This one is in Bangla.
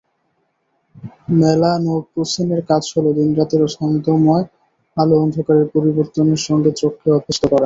মেলানোপসিনের কাজ হলো, দিন-রাতের ছন্দময় আলো-অন্ধকারের পরিবর্তনের সঙ্গে চোখকে অভ্যস্ত করা।